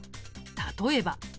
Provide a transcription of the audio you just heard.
例えば。